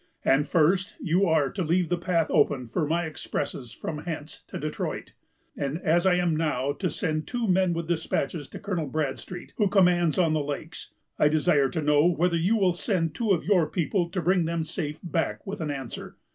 And, first, you are to leave the path open for my expresses from hence to Detroit; and as I am now to send two men with despatches to Colonel Bradstreet, who commands on the lakes, I desire to know whether you will send two of your people to bring them safe back with an answer.